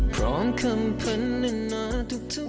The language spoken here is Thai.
พร้อมคำพันในหน้าทุกวัน